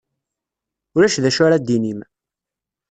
Ulac d acu ara d-tinim.